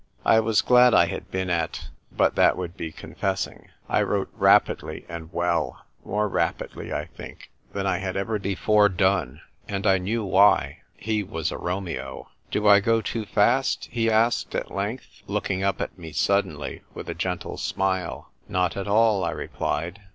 I was glad I had been at But that would be confessing. I wrote rapidly and well — more rapidly, I think, than I had ever before done ; and I knew why : he was a Romeo. " Do I go too fast ?" he asked at last, looking up at me suddenly with a gentle smile. " Not at all," I replied.